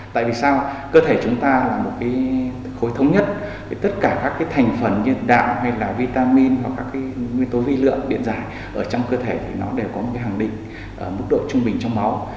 tại vì sao cơ thể chúng ta là một khối thống nhất tất cả các thành phần như đạo hay là vitamin và các nguyên tố vi lượng điện giải ở trong cơ thể thì nó đều có một hẳng định mức độ trung bình trong máu